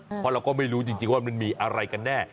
เพราะเราก็ไม่รู้จริงว่ามันมีอะไรกันแน่